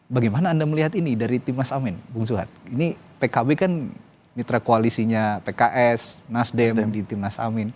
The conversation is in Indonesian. bagaimana anda melihat ini dari tim nas ameen bung suhad ini pkb kan mitra koalisinya pks nasdem di tim nas ameen